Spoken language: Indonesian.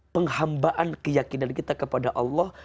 penghambaan keyakinan kita kepada allah